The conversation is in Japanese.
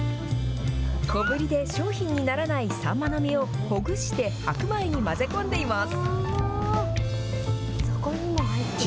小ぶりで商品にならないサンマの身をほぐして白米に混ぜ込んでいます。